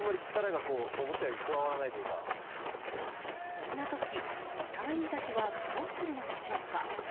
そんな時、隊員たちはどうするのでしょうか。